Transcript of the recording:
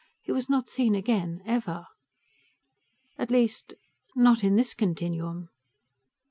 He was not seen again, ever._ _At least, not in this continuum....